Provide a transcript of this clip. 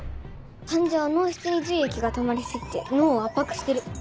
患者は脳室に髄液がたまり過ぎて脳を圧迫してる。